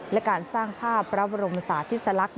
และการสร้างภาพพระบรมศาสตร์ทฤษลักษณ์